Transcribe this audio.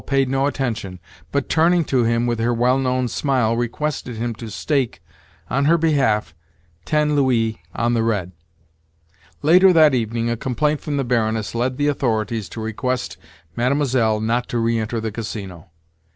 paid no attention, but, turning to him with her well known smile, requested him to stake, on her behalf, ten louis on the red. Later that evening a complaint from the Baroness led the authorities to request Mlle. not to re enter the Casino.